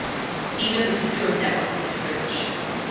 Even the sewer network was searched.